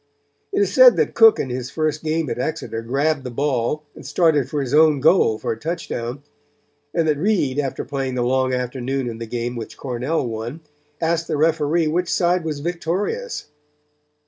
It is said that Cook in his first game at Exeter grabbed the ball and started for his own goal for a touchdown, and that Reed after playing the long afternoon in the game which Cornell won, asked the Referee which side was victorious.